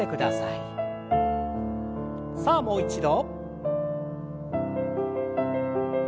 さあもう一度。